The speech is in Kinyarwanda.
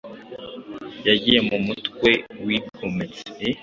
yagiye mu mutwe wigometse